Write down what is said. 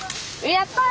やった！